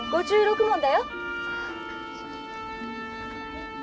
５６文だよ。